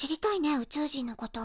宇宙人のこと。